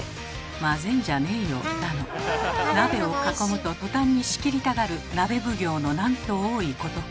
混ぜんじゃねえよ」だの鍋を囲むと途端に仕切りたがる鍋奉行のなんと多いことか。